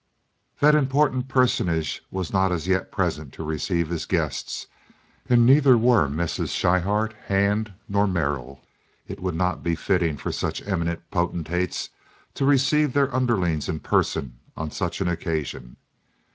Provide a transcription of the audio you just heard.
That important personage was not as yet present to receive his guests, and neither were Messrs. Schryhart, Hand, nor Merrill. It would not be fitting for such eminent potentates to receive their underlings in person on such an occasion.